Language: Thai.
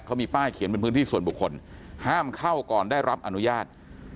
เขามีป้ายเขียนเป็นพื้นที่ส่วนบุคคลห้ามเข้าก่อนได้รับอนุญาต